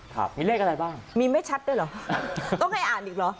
ครับมีเลขอะไรบ้างมีไม่ชัดด้วยเหรอต้องให้อ่านอีกเหรอ